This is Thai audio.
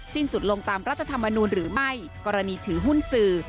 สุดลงตามรัฐธรรมนูลหรือไม่กรณีถือหุ้นสื่อ